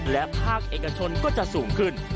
และภาคเอกชนก็จะสูงขึ้น